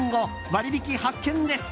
割引発見です。